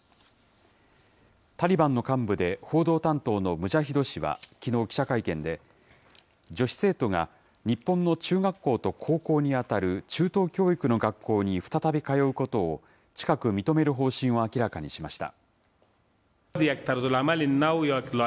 タリバンの幹部で報道担当のムジャヒド氏はきのう、記者会見で、女子生徒が日本の中学校と高校に当たる中等教育の学校に再び通うことを、近く認める方針を明らかにしました。